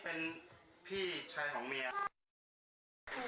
อันนี้เป็นพี่ชายของเมีย